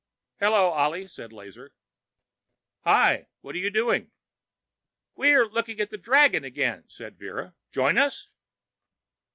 _ "Hello Ollie," said Lazar. "Hi. What're you doing?" "We're looking at the dragon again," said Vera. "Join us?"